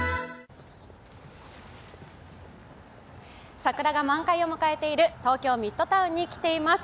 桜が満開を迎えている東京ミッドタウンに来ています。